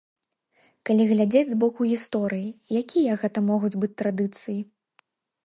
Калі глядзець з боку гісторыі, якія гэта могуць быць традыцыі?